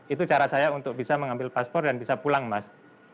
itu cara saya untuk bisa mengambil paspor dan bisa pulang mas